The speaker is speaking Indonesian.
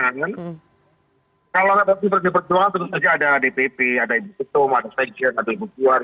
kalau representasi pdi perjuangan tentu saja ada dpp ada ibu ketum ada fajet ada ibu kuar